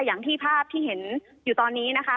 อย่างที่ภาพที่เห็นอยู่ตอนนี้นะคะ